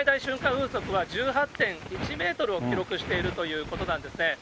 風速は１８．１メートルを記録しているということなんですね。